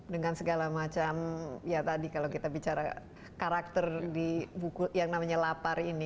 dengan segala macam ya tadi kalau kita bicara karakter di buku yang namanya lapar ini